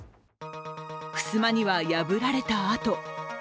ふすまには破られたあと。